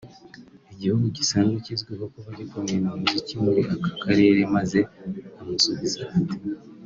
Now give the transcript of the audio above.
igihugu gisanzwe kizwiho kuba gikomeye mu muziki muri aka karere maze amusubiza ati